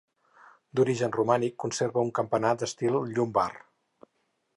D'origen romànic, conserva un campanar d'estil llombard.